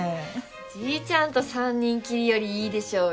じいちゃんと３人きりよりいいでしょうよ。